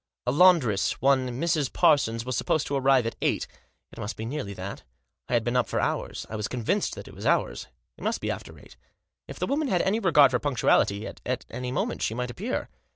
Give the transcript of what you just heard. A laundress, one Mrs. Parsons, was supposed to arrive at eight. It must be nearly that I had been up for hours ; I was convinced that it was hours. It must be after eight. If the woman had any regard for punctuality, at any moment she might appear.